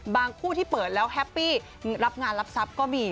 คู่ที่เปิดแล้วแฮปปี้รับงานรับทรัพย์ก็มี